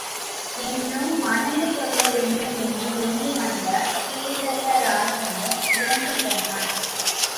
என்றும், மணந்து கொள்ளவேண்டும், என்று எண்ணி வந்த கேகயராசனோ இறந்து போனான்.